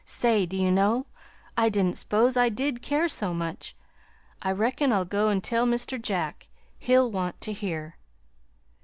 "Say, do you know, I didn't s'pose I did care so much! I reckon I'll go an' tell Mr. Jack. He'll want ter hear."